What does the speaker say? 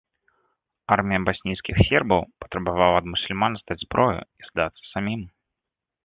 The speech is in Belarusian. Армія баснійскіх сербаў патрабавала ад мусульман здаць зброю і здацца самім.